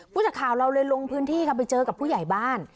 จากข่าวเราเลยลงพื้นที่ค่ะไปเจอกับผู้ใหญ่บ้าน